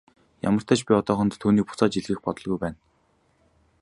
Ямартаа ч би одоохондоо түүнийг буцааж илгээх бодолгүй байна.